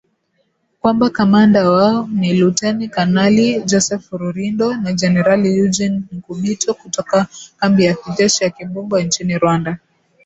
Kwamba kamanda wao ni Luteni kanali Joseph Rurindo na Jenerali Eugene Nkubito, kutoka kambi ya kijeshi ya Kibungo nchini Rwanda